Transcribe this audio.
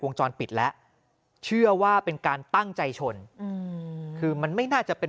จรปิดแล้วเชื่อว่าเป็นการตั้งใจชนอืมคือมันไม่น่าจะเป็น